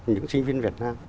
những sinh viên việt nam